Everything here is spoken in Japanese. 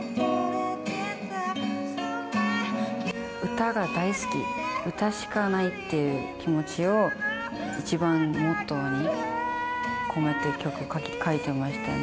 歌が大好き、歌しかないっていう気持ちを、一番モットーに込めて曲書いてましたね。